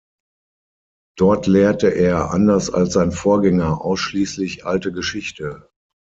Dort lehrte er anders als sein Vorgänger ausschließlich Alte Geschichte.